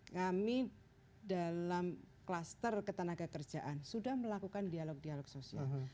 kami dalam kluster ketenaga kerjaan sudah melakukan dialog dialog sosial